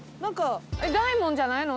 大門じゃないの？